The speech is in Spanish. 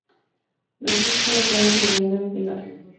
Los dos están actualmente viviendo en Pinole, California.